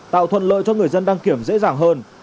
tạo thuận lợi cho người dân đăng kiểm dễ dàng hơn